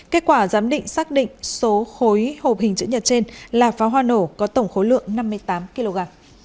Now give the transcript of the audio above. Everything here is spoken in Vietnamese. kết quả giám định xác định số khối hộp hình chữ nhật trên là pháo hoa nổ có tổng khối lượng năm mươi tám kg